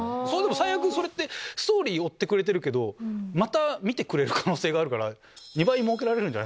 最悪それってストーリー追ってくれてるけどまた見てくれる可能性があるから。